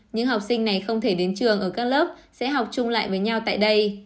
những học sinh này không thể đến trường ở các lớp sẽ học chung lại với nhau tại đây